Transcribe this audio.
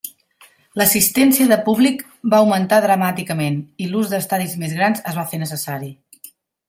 L'assistència del públic va augmentar dramàticament, i l'ús d'estadis més grans es va fer necessari.